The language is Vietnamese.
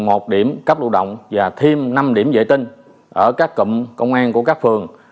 một điểm cấp lụ động và thêm năm điểm dễ tin ở các cụm công an của các phường